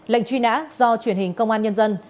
lệnh truy nã do truyền hình công an nhân dân